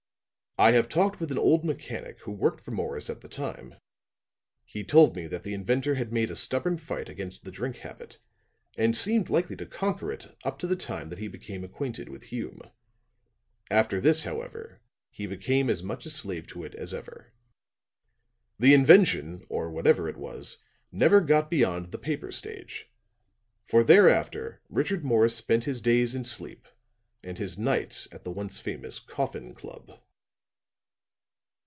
I have talked with an old mechanic who worked for Morris at the time; he told me that the inventor had made a stubborn fight against the drink habit and seemed likely to conquer it up to the time that he became acquainted with Hume. After this, however, he became as much a slave to it as ever. The invention, or whatever it was, never got beyond the paper stage; for thereafter Richard Morris spent his days in sleep and his nights at the once famous Coffin Club.'"